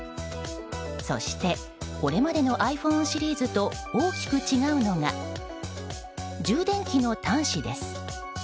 そして、これまでのｉＰｈｏｎｅシリーズと大きく違うのが充電器の端子です。